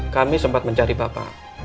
kami sempat mencari bapak